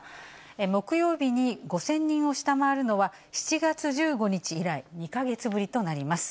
木曜日に５０００人を下回るのは７月１５日以来、２か月ぶりとなります。